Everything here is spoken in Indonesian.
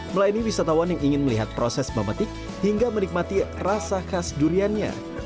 melayani wisatawan yang ingin melihat proses memetik hingga menikmati rasa khas duriannya